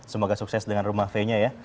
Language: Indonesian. semoga sukses dengan rumah v nya ya